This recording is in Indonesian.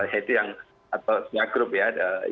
ya itu yang atau setiap grup ya